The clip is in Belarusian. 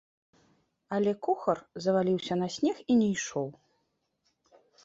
Але кухар заваліўся на снег і не ішоў.